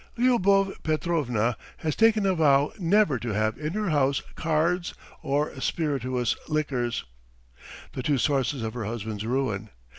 Lyubov Petrovna has taken a vow never to have in her house cards or spirituous liquors the two sources of her husband's ruin.